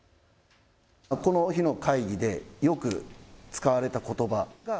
この日の会議でよく使われたことば。